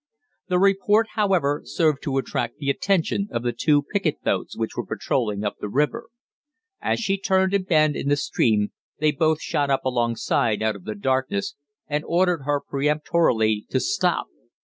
"The report, however, served to attract the attention of the two picket boats which were patrolling up the river. As she turned a bend in the stream they both shot up alongside out of the darkness, and ordered her peremptorily to stop.